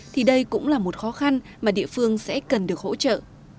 thì đây cũng là một khó khăn mà địa phương sẽ cần được hỗ trợ